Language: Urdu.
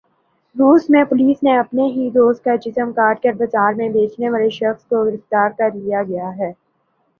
روس میں پولیس نے اپنے ہی دوست کا جسم کاٹ کر بازار میں بیچنے والے شخص کو گرفتار کرلیا گیا ہے